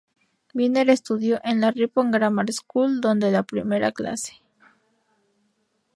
Viner estudió en la Ripon Grammar School, donde la primera de clase.